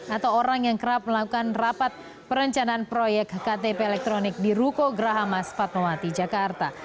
atau orang yang kerap melakukan rapat perencanaan proyek ktp elektronik di ruko grahamas fatmawati jakarta